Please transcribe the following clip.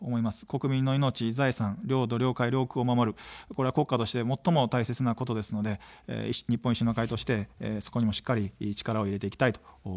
国民の命、財産、領土、領海、領空を守る、これは国家として最も大切なことですので、日本維新の会としてそこにもしっかり力を入れていきたいと思います。